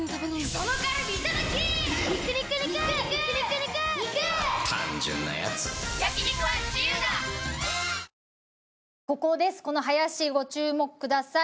この林ご注目ください。